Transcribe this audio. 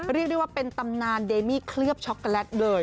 เรียกได้ว่าเป็นตำนานเดมี่เคลือบช็อกโกแลตเลย